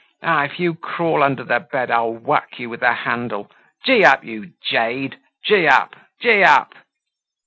Ah! if you crawl under the bed I'll whack you with the handle. Gee up, you jade! Gee up! Gee up!"